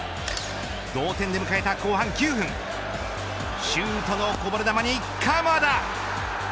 同点で迎えた後半９分シュートのこぼれ球に鎌田。